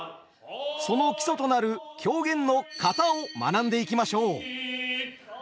その基礎となる狂言の「型」を学んでいきましょう。